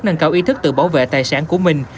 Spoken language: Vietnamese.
nâng cao ý thức tự bảo vệ tài sản của mình